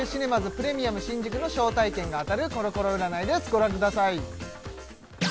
プレミアム新宿の招待券が当たるコロコロ占いですご覧ください